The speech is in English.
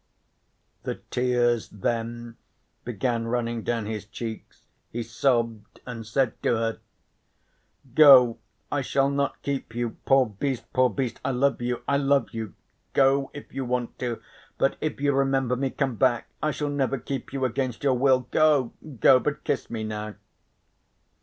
The tears then began running down his cheeks, he sobbed, and said to her: "Go I shall not keep you. Poor beast, poor beast, I love you, I love you. Go if you want to. But if you remember me come back. I shall never keep you against your will. Go go. But kiss me now."